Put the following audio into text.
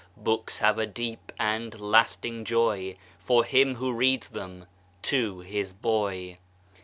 Books have a deep and lasting joy For him who reads them to his boy.